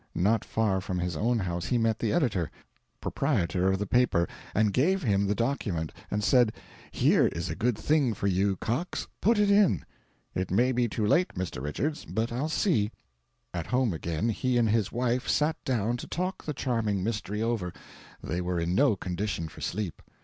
Not far from his own house he met the editor proprietor of the paper, and gave him the document, and said "Here is a good thing for you, Cox put it in." "It may be too late, Mr. Richards, but I'll see." At home again, he and his wife sat down to talk the charming mystery over; they were in no condition for sleep.